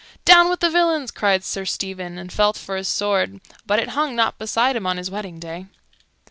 "Down with the villains!" cried Sir Stephen, and felt for his sword, but it hung not beside him on his wedding day.